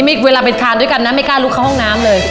เวลาไปทานด้วยกันนะไม่กล้าลุกเข้าห้องน้ำเลย